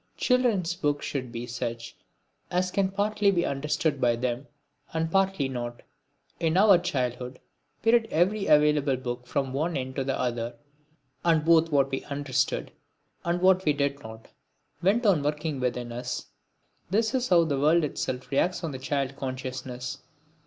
Children's books should be such as can partly be understood by them and partly not. In our childhood we read every available book from one end to the other; and both what we understood, and what we did not, went on working within us. That is how the world itself reacts on the child consciousness.